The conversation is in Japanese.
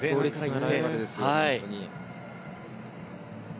本当に。